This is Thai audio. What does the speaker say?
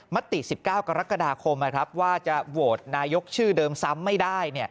ติ๑๙กรกฎาคมว่าจะโหวตนายกชื่อเดิมซ้ำไม่ได้